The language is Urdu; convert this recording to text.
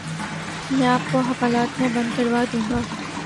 میں آپ کو حوالات میں بند کروا دوں گا